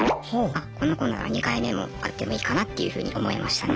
あこの子なら２回目も会ってもいいかなっていうふうに思いましたね。